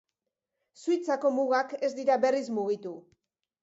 Suitzako mugak ez dira berriz mugitu.